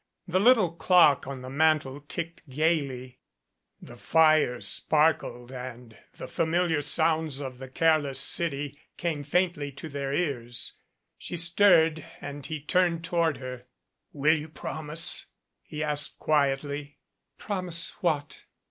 The little clock on the mantel ticked gaily, the fire sparkled and the familiar sounds of the careless city came faintly to their ears. She stirred and he turned toward her. "Will you promise?" he asked quietly. "Promise what?"